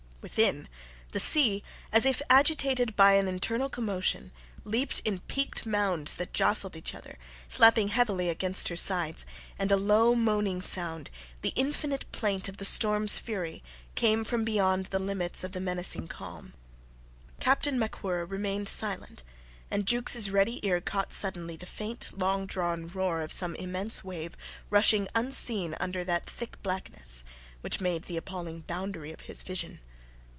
Within, the sea, as if agitated by an internal commotion, leaped in peaked mounds that jostled each other, slapping heavily against her sides; and a low moaning sound, the infinite plaint of the storm's fury, came from beyond the limits of the menacing calm. Captain MacWhirr remained silent, and Jukes' ready ear caught suddenly the faint, long drawn roar of some immense wave rushing unseen under that thick blackness, which made the appalling boundary of his vision.